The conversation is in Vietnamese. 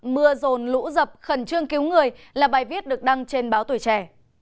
mưa rồn lũ dập khẩn trương cứu người là bài viết được đăng trên báo tuổi trẻ